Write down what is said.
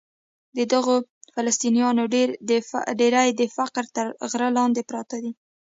د دغو فلسطینیانو ډېری د فقر تر غره لاندې پراته دي.